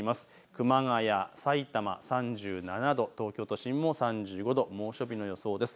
熊谷、さいたま、３７度、東京都心も３５度、猛暑日の予想です。